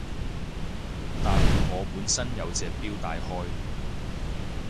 但我本身有隻錶戴開